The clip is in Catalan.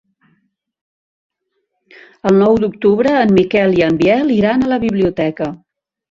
El nou d'octubre en Miquel i en Biel iran a la biblioteca.